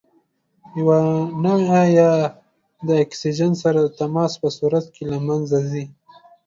یوه نوعه یې د اکسیجن سره د تماس په صورت کې له منځه ځي.